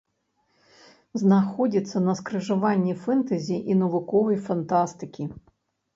Знаходзіцца на скрыжаванні фэнтэзі і навуковай фантастыкі.